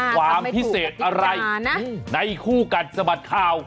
ความพิเศษอะไรในคู่กัดสะบัดข่าว